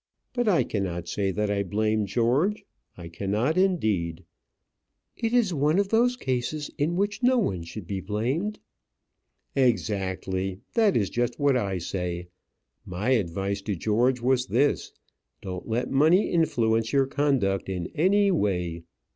But I cannot say that I blame George; I cannot, indeed." "It is one of those cases in which no one should be blamed." "Exactly that is just what I say. My advice to George was this. Don't let money influence your conduct in any way.